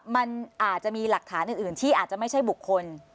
มันอาจจะมีหลักฐานอื่นที่อาจจะไม่ใช่บุคคล